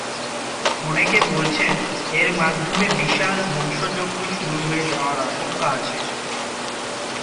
অনেকে বলছেন, এর মাধ্যমে বিশাল ধ্বংসযজ্ঞ শুরু হয়ে যাওয়ার আশঙ্কা আছে।